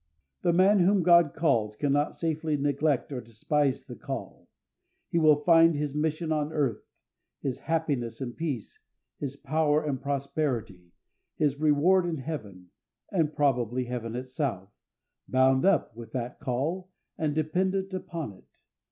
The man whom God calls cannot safely neglect or despise the call. He will find his mission on earth, his happiness and peace, his power and prosperity, his reward in Heaven, and probably Heaven itself, bound up with that call and dependent upon it.